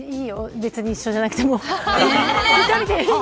別に一緒じゃなくても。